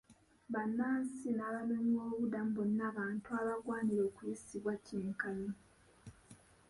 Bannansi n'abanoonyiboobubudamu bonna bantu abagwanira okuyisibwa kyenkanyi.